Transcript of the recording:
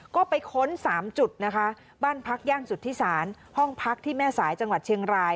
ก็ไปค้น๓จุดนะคะบ้านพักย่านสุธิศาลห้องพักที่แม่สายจังหวัดเชียงราย